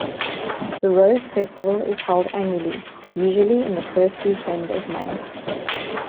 The Rose Festival is held annually, usually in the first weekend of May.